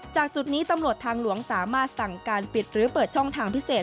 จุดนี้ตำรวจทางหลวงสามารถสั่งการปิดหรือเปิดช่องทางพิเศษ